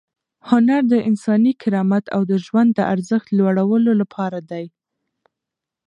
هنر د انساني کرامت او د ژوند د ارزښت د لوړولو لپاره دی.